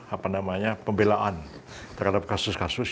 apa namanya pembelaan terhadap kasus kasus